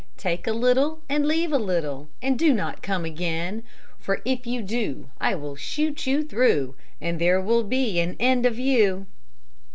Take a little and leave a little, And do not come again; For if you do, I will shoot you through, And there will be an end of you.